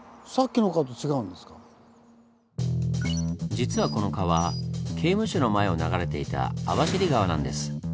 実はこの川刑務所の前を流れていた網走川なんです。